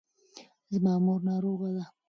زما مور ناروغه ده.